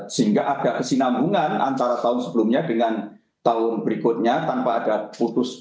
sehingga ada kesinambungan antara tahun sebelumnya dengan tahun berikutnya tanpa ada putusan